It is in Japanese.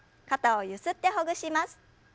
肩をゆすってほぐします。